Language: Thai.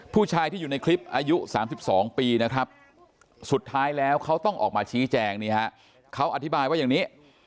ผู้ชายที่อยู่ในคลิปอายุ๓๒ปีนะครับสุดท้ายแล้วเขาต้องออกมาชี้แจงนี่ฮะเขาอธิบายว่าอย่างนี้